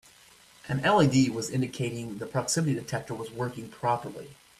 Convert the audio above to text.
An LED was indicating the proximity detector was working properly.